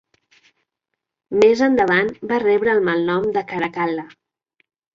Més endavant va rebre el malnom de Caracal·la.